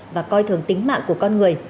và coi thường tính mạng của con người